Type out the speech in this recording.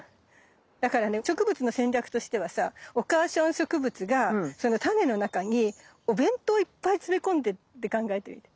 だからね植物の戦略としてはさお母さん植物がその種の中にお弁当いっぱい詰め込んでって考えてみて。